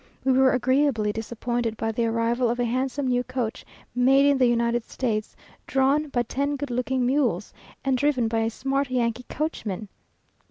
We were agreeably disappointed by the arrival of a handsome new coach, made in the United States, drawn by ten good looking mules, and driven by a smart Yankee coachman.